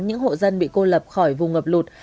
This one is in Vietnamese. những hộ dân bị cô lập khỏi vùng ngập lụt